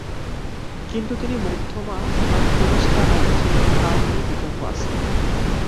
কিন্তু তিনি মধ্যমা না কনিষ্ঠা রাণী ছিলেন তা নিয়ে বিতর্ক আছে।